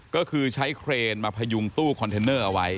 ก็คือใช้เครนมาพยุงตู้คอนเทนเนอร์เอาไว้